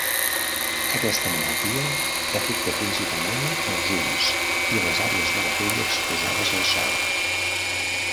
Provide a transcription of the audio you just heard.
Aquesta malaltia afecta principalment els ulls i les àrees de la pell exposades al sol.